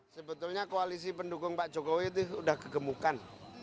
sebetulnya koalisi pendukung pak jokowi itu sudah kegemukan